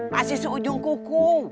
masih seujung kuku